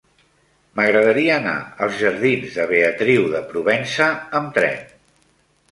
M'agradaria anar als jardins de Beatriu de Provença amb tren.